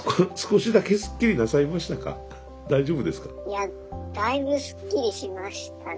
いやだいぶすっきりしましたね。